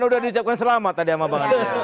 kan udah di ucapkan selamat tadi sama bang andri